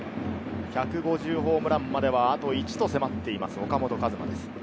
１５０ホームランまではあと１本と迫っています、岡本和真です。